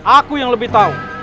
aku yang lebih tahu